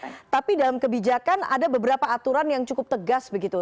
oke tapi dalam kebijakan ada beberapa aturan yang cukup tegas begitu